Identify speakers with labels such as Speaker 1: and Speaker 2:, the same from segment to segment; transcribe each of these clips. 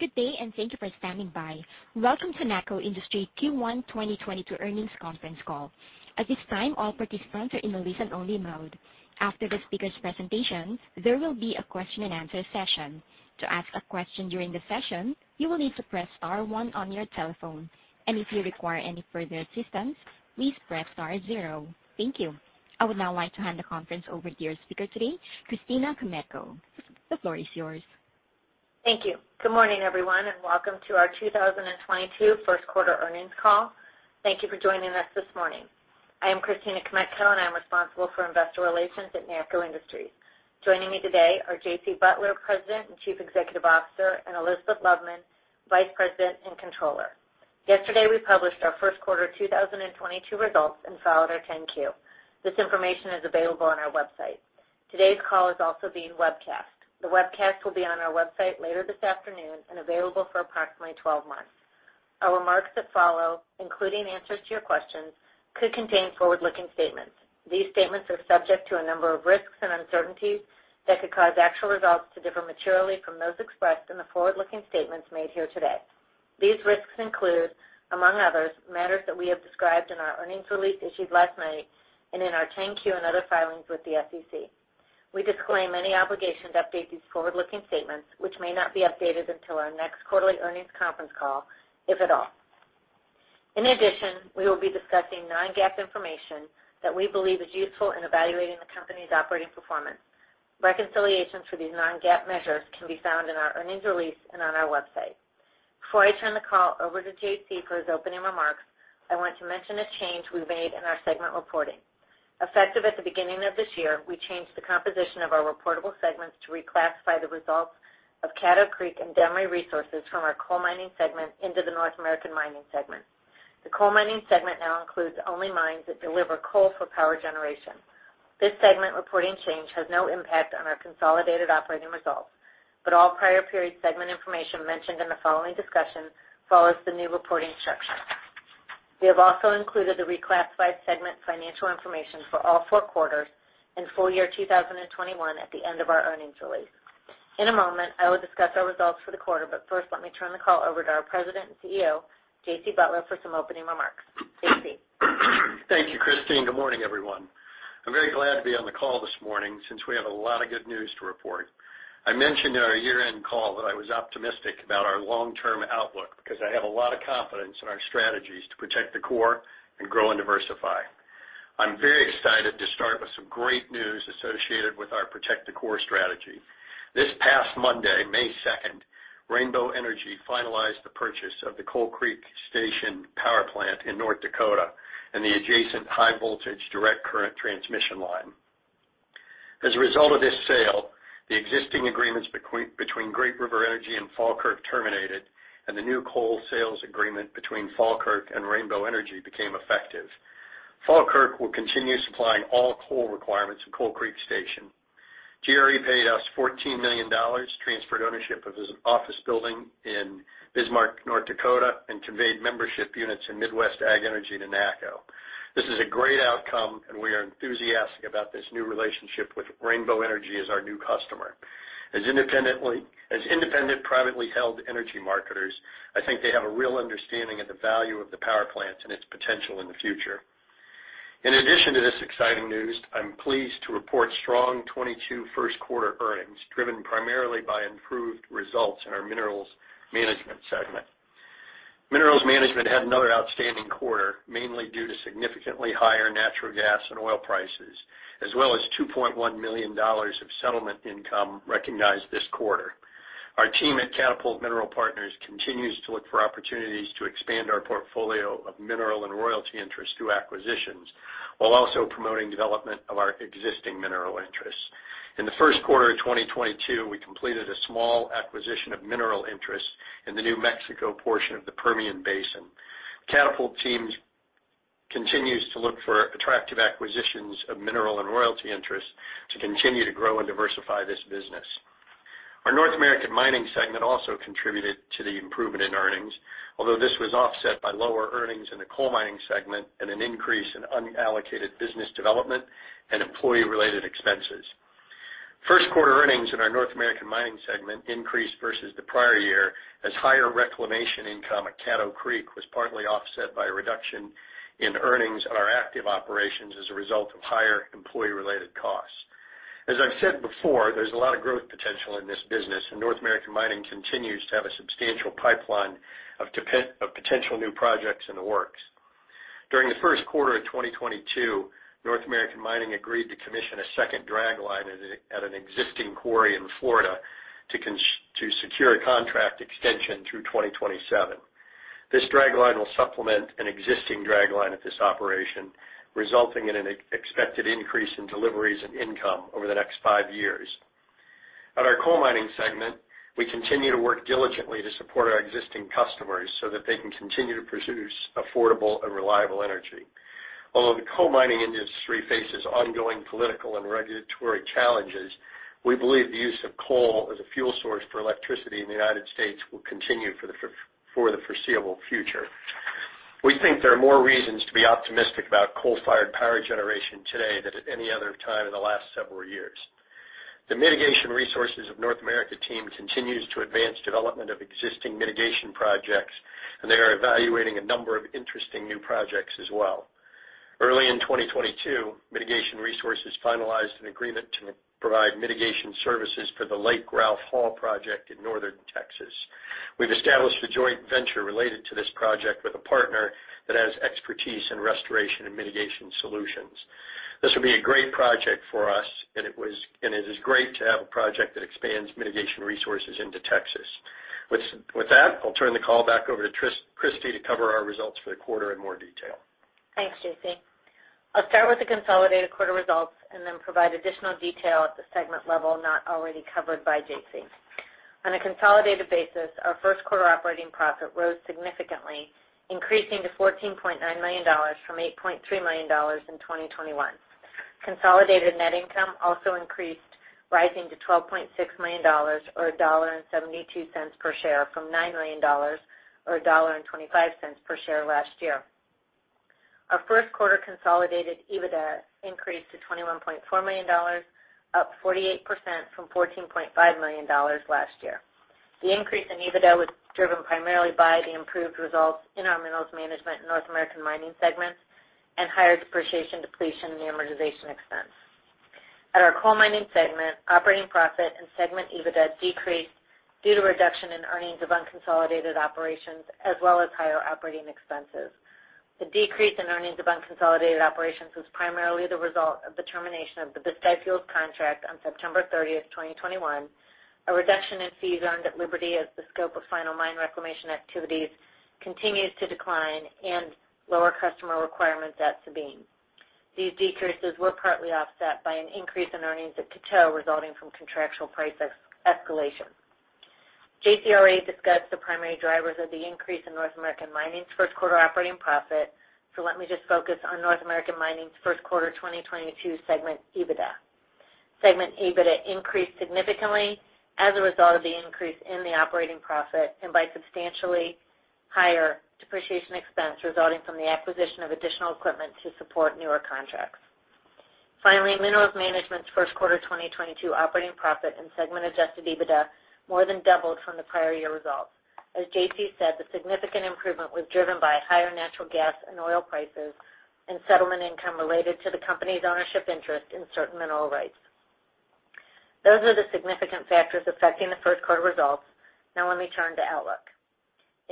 Speaker 1: Good day, and thank you for standing by. Welcome to NACCO Industries Q1 2022 earnings conference call. At this time, all participants are in the listen-only mode. After the speaker's presentation, there will be a question-and-answer session. To ask a question during the session, you will need to press star one on your telephone. If you require any further assistance, please press star zero. Thank you. I would now like to hand the conference over to your speaker today, Christina Kmetko. The floor is yours.
Speaker 2: Thank you. Good morning, everyone, and welcome to our 2022 first quarter earnings call. Thank you for joining us this morning. I am Christina Kmetko, and I'm responsible for investor relations at NACCO Industries. Joining me today are J.C. Butler, Jr., President and Chief Executive Officer, and Elizabeth Loveman, Senior Vice President and Controller. Yesterday, we published our first quarter 2022 results and filed our 10-Q. This information is available on our website. Today's call is also being webcast. The webcast will be on our website later this afternoon and available for approximately 12 months. Our remarks that follow, including answers to your questions, could contain forward-looking statements. These statements are subject to a number of risks and uncertainties that could cause actual results to differ materially from those expressed in the forward-looking statements made here today. These risks include, among others, matters that we have described in our earnings release issued last night and in our 10-Q and other filings with the SEC. We disclaim any obligation to update these forward-looking statements, which may not be updated until our next quarterly earnings conference call, if at all. In addition, we will be discussing non-GAAP information that we believe is useful in evaluating the company's operating performance. Reconciliations for these non-GAAP measures can be found in our earnings release and on our website. Before I turn the call over to J.C. for his opening remarks, I want to mention a change we made in our segment reporting. Effective at the beginning of this year, we changed the composition of our reportable segments to reclassify the results of Caddo Creek and Demery Resources from our coal mining segment into the North American Mining segment. The coal mining segment now includes only mines that deliver coal for power generation. This segment reporting change has no impact on our consolidated operating results, but all prior period segment information mentioned in the following discussion follows the new reporting structure. We have also included the reclassified segment financial information for all four quarters in full year 2021 at the end of our earnings release. In a moment, I will discuss our results for the quarter, but first, let me turn the call over to our President and CEO, J.C. Butler, for some opening remarks. J.C.
Speaker 3: Thank you, Christina. Good morning, everyone. I'm very glad to be on the call this morning since we have a lot of good news to report. I mentioned in our year-end call that I was optimistic about our long-term outlook because I have a lot of confidence in our strategies to protect the core and grow and diversify. I'm very excited to start with some great news associated with our Protect the Core strategy. This past Monday, May second, Rainbow Energy finalized the purchase of the Coal Creek Station power plant in North Dakota and the adjacent high-voltage direct current transmission line. As a result of this sale, the existing agreements between Great River Energy and Falkirk terminated, and the new coal sales agreement between Falkirk and Rainbow Energy became effective. Falkirk will continue supplying all coal requirements to Coal Creek Station. GRE paid us $14 million, transferred ownership of its office building in Bismarck, North Dakota, and conveyed membership units in Midwest AgEnergy to NACCO. This is a great outcome, and we are enthusiastic about this new relationship with Rainbow Energy as our new customer. As independent, privately held energy marketers, I think they have a real understanding of the value of the power plant and its potential in the future. In addition to this exciting news, I'm pleased to report strong 2022 first quarter earnings, driven primarily by improved results in our Minerals Management segment. Minerals Management had another outstanding quarter, mainly due to significantly higher natural gas and oil prices, as well as $2.1 million of settlement income recognized this quarter. Our team at Catapult Mineral Partners continues to look for opportunities to expand our portfolio of mineral and royalty interests through acquisitions, while also promoting development of our existing mineral interests. In the first quarter of 2022, we completed a small acquisition of mineral interests in the New Mexico portion of the Permian Basin. Catapult team continues to look for attractive acquisitions of mineral and royalty interests to continue to grow and diversify this business. Our North American Mining segment also contributed to the improvement in earnings, although this was offset by lower earnings in the coal mining segment and an increase in unallocated business development and employee-related expenses. First quarter earnings in our North American Mining segment increased versus the prior year as higher reclamation income at Caddo Creek was partly offset by a reduction in earnings on our active operations as a result of higher employee-related costs. As I've said before, there's a lot of growth potential in this business, and North American Mining continues to have a substantial pipeline of potential new projects in the works. During the first quarter of 2022, North American Mining agreed to commission a second dragline at an existing quarry in Florida to secure a contract extension through 2027. This dragline will supplement an existing dragline at this operation, resulting in an expected increase in deliveries and income over the next five years. At our coal mining segment, we continue to work diligently to support our existing customers so that they can continue to produce affordable and reliable energy. Although the coal mining industry faces ongoing political and regulatory challenges, we believe the use of coal as a fuel source for electricity in the United States will continue for the foreseeable future. We think there are more reasons to be optimistic about coal-fired power generation today than at any other time in the last several years. The Mitigation Resources of North America team continues to advance development of existing mitigation projects, and they are evaluating a number of interesting new projects as well. Early in 2022, Mitigation Resources finalized an agreement to provide mitigation services for the Lake Ralph Hall project in northern Texas. We've established a joint venture related to this project with a partner that has expertise in restoration and mitigation solutions. This would be a great project for us, and it is great to have a project that expands Mitigation Resources into Texas. With that, I'll turn the call back over to Christina Kmetko to cover our results for the quarter in more detail.
Speaker 2: Thanks, J.C. I'll start with the consolidated quarter results and then provide additional detail at the segment level not already covered by J.C. On a consolidated basis, our first quarter operating profit rose significantly, increasing to $14.9 million from $8.3 million in 2021. Consolidated net income also increased, rising to $12.6 million or $1.72 per share from $9 million or $1.25 per share last year. Our first quarter consolidated EBITDA increased to $21.4 million, up 48% from $14.5 million last year. The increase in EBITDA was driven primarily by the improved results in our Minerals Management, North American Mining segments and higher depreciation, depletion, and amortization expense. At our coal mining segment, operating profit and segment EBITDA decreased due to a reduction in earnings of unconsolidated operations as well as higher operating expenses. The decrease in earnings of unconsolidated operations was primarily the result of the termination of the Bisti Fuels contract on September 30, 2021, a reduction in fees earned at Liberty as the scope of final mine reclamation activities continues to decline and lower customer requirements at Sabine. These decreases were partly offset by an increase in earnings at Coteau resulting from contractual price escalation. J.C. Butler, Jr. discussed the primary drivers of the increase in North American Mining's first quarter operating profit, so let me just focus on North American Mining's first quarter 2022 segment EBITDA. Segment EBITDA increased significantly as a result of the increase in the operating profit and by substantially higher depreciation expense resulting from the acquisition of additional equipment to support newer contracts. Finally, Minerals Management's first quarter 2022 operating profit and segment adjusted EBITDA more than doubled from the prior year results. As J.C. The significant improvement was driven by higher natural gas and oil prices and settlement income related to the company's ownership interest in certain mineral rights. Those are the significant factors affecting the first quarter results. Now let me turn to outlook.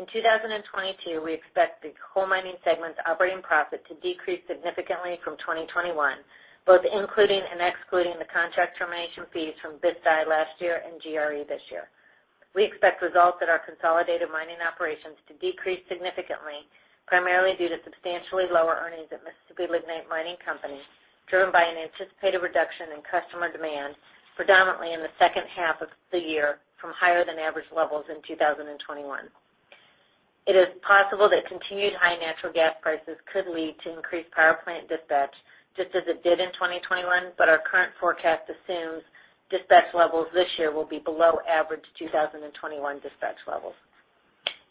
Speaker 2: In 2022, we expect the coal mining segment's operating profit to decrease significantly from 2021, both including and excluding the contract termination fees from Bisti last year and GRE this year. We expect results at our consolidated mining operations to decrease significantly, primarily due to substantially lower earnings at Mississippi Lignite Mining Company, driven by an anticipated reduction in customer demand predominantly in the second half of the year from higher than average levels in 2021. It is possible that continued high natural gas prices could lead to increased power plant dispatch, just as it did in 2021, but our current forecast assumes dispatch levels this year will be below average 2021 dispatch levels.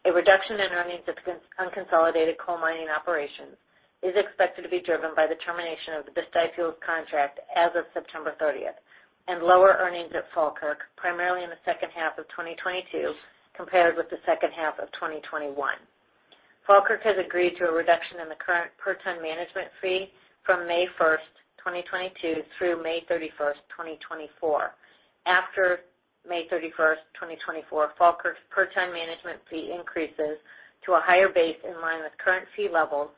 Speaker 2: A reduction in earnings of unconsolidated coal mining operations is expected to be driven by the termination of the Bisti Fuels contract as of September 30 and lower earnings at Falkirk primarily in the second half of 2022 compared with the second half of 2021. Falkirk has agreed to a reduction in the current per ton management fee from May 1st, 2022 through May 31st, 2024. After May 31, 2024, Falkirk's per ton management fee increases to a higher base in line with current fee levels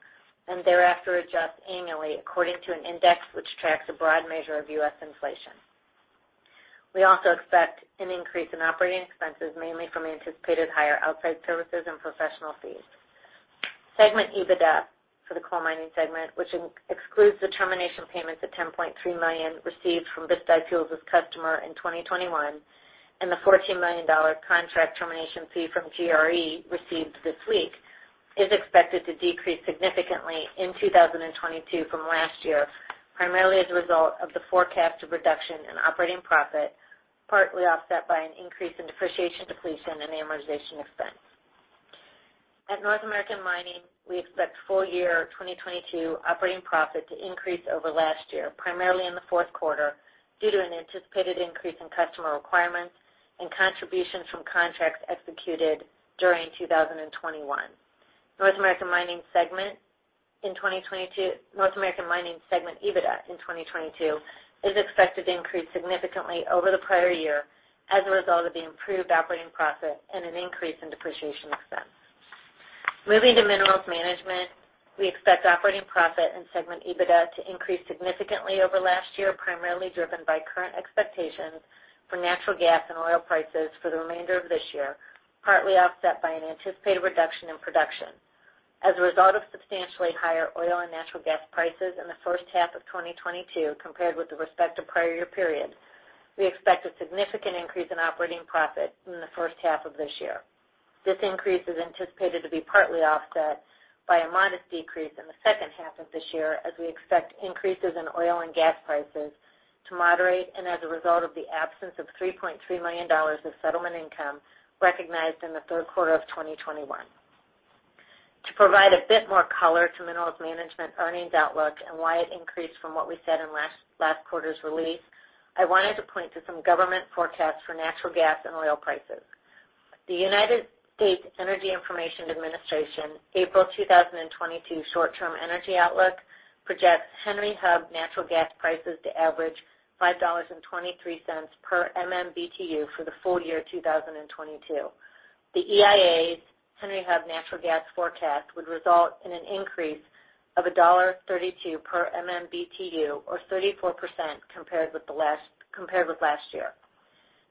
Speaker 2: and thereafter adjusts annually according to an index which tracks a broad measure of U.S. inflation. We also expect an increase in operating expenses mainly from anticipated higher outside services and professional fees. Segment EBITDA for the coal mining segment, which excludes the termination payments of $10.3 million received from Bisti Fuels as a customer in 2021 and the $14 million contract termination fee from GRE received this week, is expected to decrease significantly in 2022 from last year, primarily as a result of the forecasted reduction in operating profit, partly offset by an increase in depreciation, depletion, and amortization expense. At North American Mining, we expect full year 2022 operating profit to increase over last year, primarily in the fourth quarter, due to an anticipated increase in customer requirements and contributions from contracts executed during 2021. North American Mining segment EBITDA in 2022 is expected to increase significantly over the prior year as a result of the improved operating profit and an increase in depreciation expense. Moving to Minerals Management, we expect operating profit and segment EBITDA to increase significantly over last year, primarily driven by current expectations for natural gas and oil prices for the remainder of this year, partly offset by an anticipated reduction in production. As a result of substantially higher oil and natural gas prices in the first half of 2022 compared with the respective prior year period, we expect a significant increase in operating profit in the first half of this year. This increase is anticipated to be partly offset by a modest decrease in the second half of this year as we expect increases in oil and gas prices to moderate and as a result of the absence of $3.3 million of settlement income recognized in the third quarter of 2021. To provide a bit more color to Minerals Management earnings outlook and why it increased from what we said in last quarter's release, I wanted to point to some government forecasts for natural gas and oil prices. The U.S. Energy Information Administration April 2022 short-term energy outlook projects Henry Hub natural gas prices to average $5.23 per MMBtu for the full year 2022. The EIA's Henry Hub natural gas forecast would result in an increase of $1.32 per MMBtu or 34% compared with last year.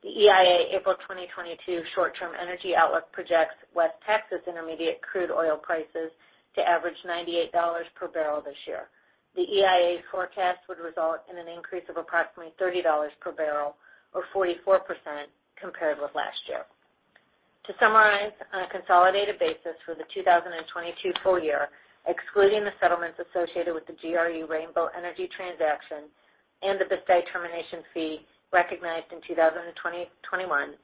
Speaker 2: The EIA April 2022 short-term energy outlook projects West Texas Intermediate crude oil prices to average $98 per barrel this year. The EIA forecast would result in an increase of approximately $30 per barrel or 44% compared with last year. To summarize, on a consolidated basis for the 2022 full year, excluding the settlements associated with the GRE Rainbow Energy transaction and the Bisti termination fee recognized in 2021,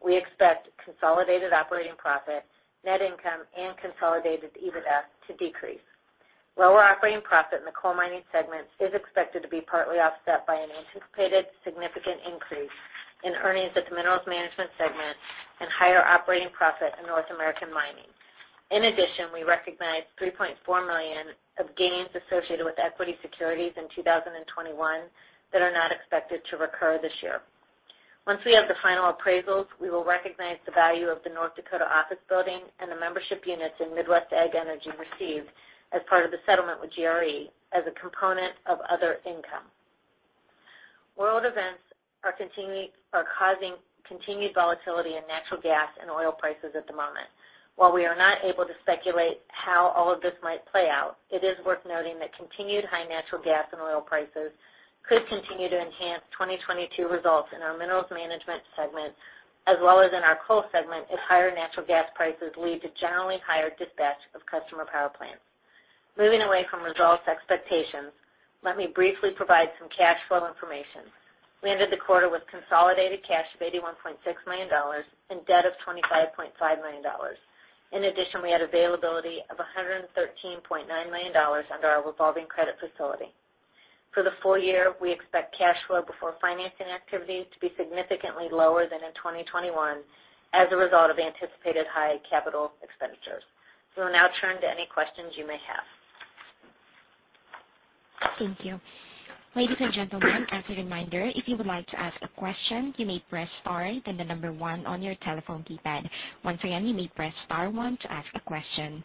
Speaker 2: we expect consolidated operating profit, net income, and consolidated EBITDA to decrease. Lower operating profit in the coal mining segment is expected to be partly offset by an anticipated significant increase in earnings at the minerals management segment and higher operating profit in North American Mining. In addition, we recognized $3.4 million of gains associated with equity securities in 2021 that are not expected to recur this year. Once we have the final appraisals, we will recognize the value of the North Dakota office building and the membership units in Midwest AgEnergy received as part of the settlement with GRE as a component of other income. World events are causing continued volatility in natural gas and oil prices at the moment. While we are not able to speculate how all of this might play out, it is worth noting that continued high natural gas and oil prices could continue to enhance 2022 results in our Minerals Management segment as well as in our coal segment if higher natural gas prices lead to generally higher dispatch of customer power plants. Moving away from results expectations, let me briefly provide some cash flow information. We ended the quarter with consolidated cash of $81.6 million and debt of $25.5 million. In addition, we had availability of $113.9 million under our revolving credit facility. For the full year, we expect cash flow before financing activities to be significantly lower than in 2021 as a result of anticipated high capital expenditures. We will now turn to any questions you may have.
Speaker 1: Thank you. Ladies and gentlemen, as a reminder, if you would like to ask a question, you may press star then the number one on your telephone keypad. Once again, you may press star one to ask a question.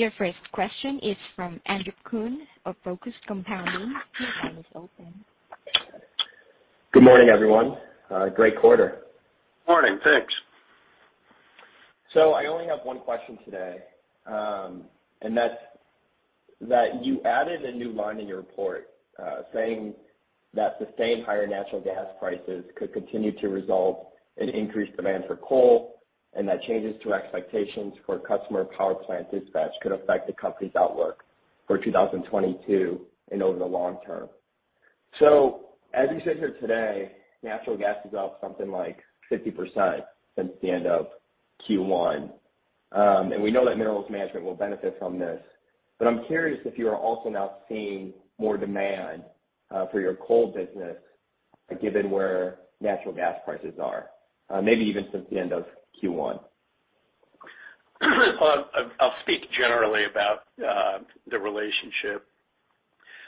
Speaker 1: Your first question is from Andrew Kuhn of Focused Compounding. Your line is open.
Speaker 4: Good morning, everyone. Great quarter.
Speaker 3: Morning. Thanks.
Speaker 4: I only have one question today, and that's that you added a new line in your report, saying that sustained higher natural gas prices could continue to result in increased demand for coal, and that changes to expectations for customer power plant dispatch could affect the company's outlook for 2022 and over the long term. As you said here today, natural gas is up something like 50% since the end of Q1. We know that Minerals Management will benefit from this. I'm curious if you are also now seeing more demand for your coal business given where natural gas prices are, maybe even since the end of Q1.
Speaker 3: I'll speak generally about the relationship.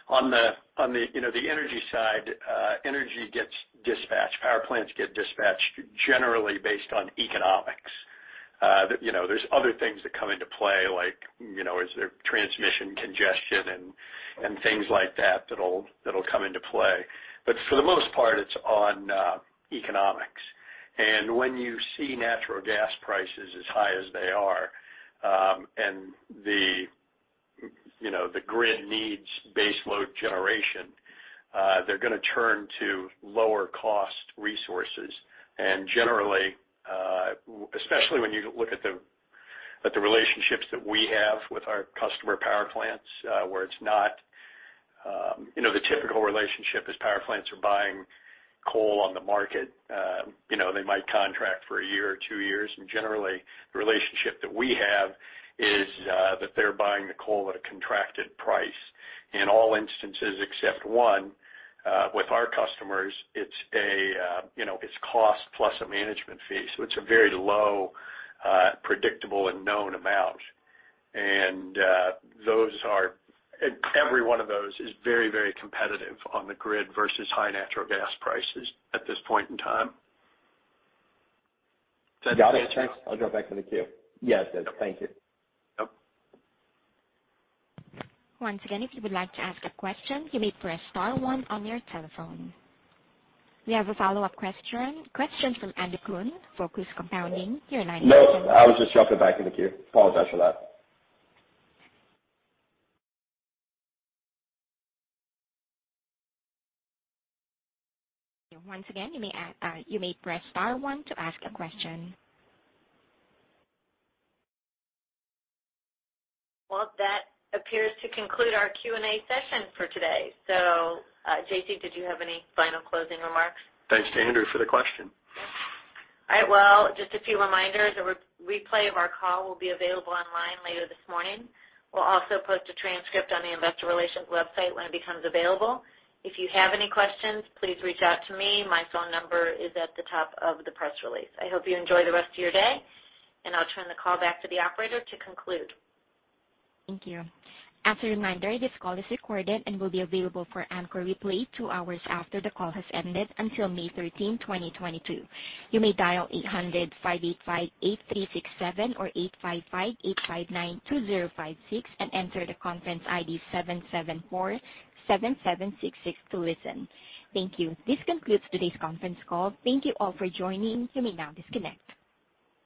Speaker 3: On the you know the energy side, energy gets dispatched, power plants get dispatched generally based on economics. You know, there's other things that come into play like, you know, is there transmission congestion and things like that that'll come into play. For the most part, it's on economics. When you see natural gas prices as high as they are, and the you know the grid needs baseload generation, they're gonna turn to lower cost resources. Generally, especially when you look at the relationships that we have with our customer power plants, where it's not. You know, the typical relationship is power plants are buying coal on the market. You know, they might contract for a year or two years, and generally, the relationship that we have is that they're buying the coal at a contracted price. In all instances except one with our customers, it's a you know, it's cost plus a management fee. So it's a very low predictable and known amount. Those are every one of those is very, very competitive on the grid versus high natural gas prices at this point in time. Does that answer?
Speaker 4: Got it. Thanks. I'll drop back in the queue. Yes, it does. Thank you.
Speaker 3: Yep.
Speaker 1: Once again, if you would like to ask a question, you may press star one on your telephone. We have a follow-up question. Question from Andrew Kuhn, Focused Compounding. Your line is open.
Speaker 4: No, I was just dropping back in the queue. Apologize for that.
Speaker 1: Once again, you may press star one to ask a question.
Speaker 2: Well, that appears to conclude our Q&A session for today. J.C., did you have any final closing remarks? Thanks to Andrew for the question.
Speaker 3: Yeah.
Speaker 2: All right. Well, just a few reminders. A replay of our call will be available online later this morning. We'll also post a transcript on the investor relations website when it becomes available. If you have any questions, please reach out to me. My phone number is at the top of the press release. I hope you enjoy the rest of your day, and I'll turn the call back to the operator to conclude.
Speaker 1: Thank you. As a reminder, this call is recorded and will be available for encore replay two hours after the call has ended until May 13, 2022. You may dial 800-585-8367 or 855-859-2056 and enter the conference ID 7747766 to listen. Thank you. This concludes today's conference call. Thank you all for joining. You may now disconnect.